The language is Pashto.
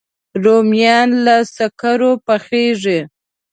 رومیان له سکرو پخېږي